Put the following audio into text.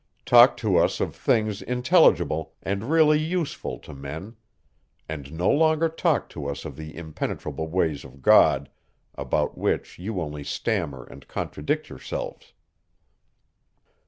Talk to us of things intelligible and really useful to men; and no longer talk to us of the impenetrable ways of God, about which you only stammer and contradict yourselves.